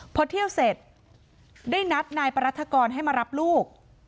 พอเที่ยวเสร็จได้นัดนายปรัฐกรให้มารับลูก